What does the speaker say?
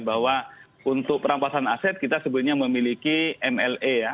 bahwa untuk perampasan aset kita sebenarnya memiliki mle ya